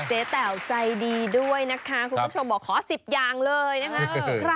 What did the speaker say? แต๋วใจดีด้วยนะคะคุณผู้ชมบอกขอ๑๐อย่างเลยนะคะ